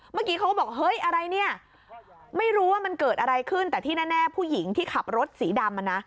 เมื่อกี้เขาก็บอกเฮ้ยอะไรเนี่ยไม่รู้ว่ามันเกิดอะไรขึ้นแต่ที่แน่ผู้หญิงที่ขับรถสีดำอ่ะนะ